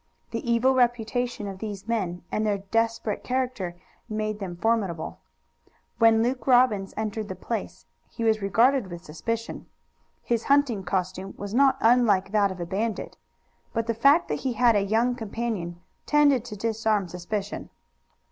The evil reputation of these men and their desperate character made them formidable. When Luke Robbins entered the place he was regarded with suspicion. His hunting costume was not unlike that of a bandit. But the fact that he had a young companion tended to disarm suspicion.